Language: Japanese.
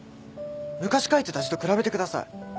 昔書いてた字と比べてください。